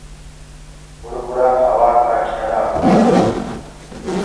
بُڙبُڙآ هوآ ڪآ ٽيرآ هوندآ هينٚ۔